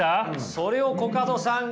それをコカドさんが。